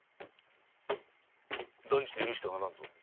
断じて許してはならんぞ。